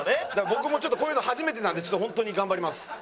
僕もこういうの初めてなんで本当に頑張ります。